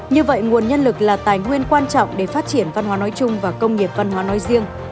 như vậy nguồn nhân lực là tài nguyên quan trọng để phát triển văn hóa nói chung và công nghiệp văn hóa nói riêng